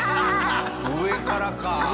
上からか。